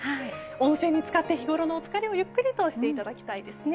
温泉につかって日ごろの疲れをゆっくりとしてほしいですね。